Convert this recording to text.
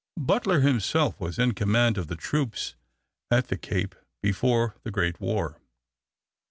Butler himself was in command of the troops at the Cape before the great war.